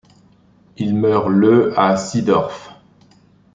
Il meurt le à Seedorf.